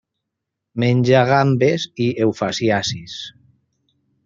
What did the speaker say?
Menja gambes i eufausiacis.